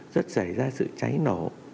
rất xảy ra sự cháy nổ